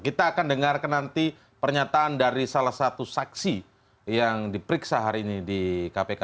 kita akan dengarkan nanti pernyataan dari salah satu saksi yang diperiksa hari ini di kpk